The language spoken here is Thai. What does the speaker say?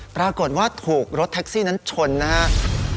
ปรากฏว่าถูกรถแท็กซี่นั้นชนนะครับ